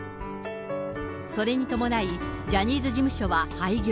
それに伴い、ジャニーズ事務所は廃業。